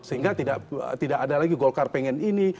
sehingga tidak ada lagi golkar pengen ini